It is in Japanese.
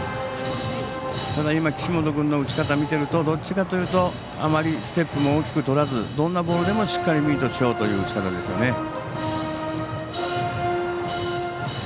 ただ、岸本君の打ち方を見てるとどちらかというとあまりステップも大きくとらずどんなボールでもしっかりミートしようという打ち方ですよね。